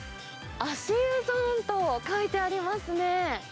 足湯ゾーンと書いてありますね。